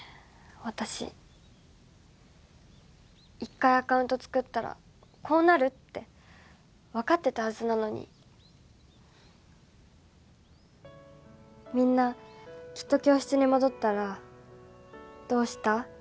私一回アカウント作ったらこうなるって分かってたはずなのにみんなきっと教室に戻ったらどうした？